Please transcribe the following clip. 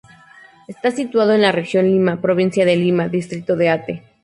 Está situado en la Región Lima, provincia de Lima, Distrito de Ate.